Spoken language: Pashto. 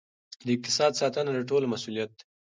د اقتصاد ساتنه د ټولو مسؤلیت دی.